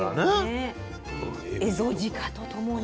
エゾジカと共に。